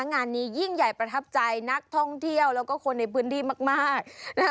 งานนี้ยิ่งใหญ่ประทับใจนักท่องเที่ยวแล้วก็คนในพื้นที่มาก